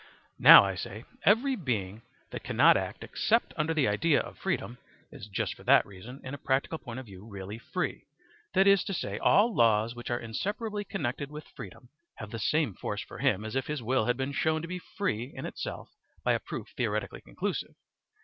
Now I say every being that cannot act except under the idea of freedom is just for that reason in a practical point of view really free, that is to say, all laws which are inseparably connected with freedom have the same force for him as if his will had been shown to be free in itself by a proof theoretically conclusive.